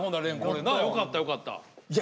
これなよかったよかった。